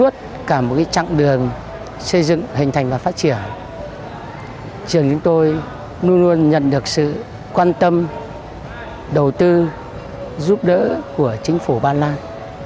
trường chúng tôi luôn luôn nhận được sự quan tâm đầu tư giúp đỡ của chính phủ ba lan